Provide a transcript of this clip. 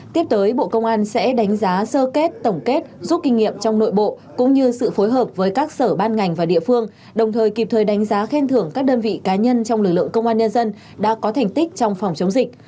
tiếp tới bộ công an sẽ đánh giá sơ kết tổng kết rút kinh nghiệm trong nội bộ cũng như sự phối hợp với các sở ban ngành và địa phương đồng thời kịp thời đánh giá khen thưởng các đơn vị cá nhân trong lực lượng công an nhân dân đã có thành tích trong phòng chống dịch